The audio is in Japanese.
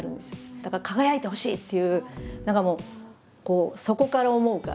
だから「輝いてほしい！」っていう何かもう底から思うから。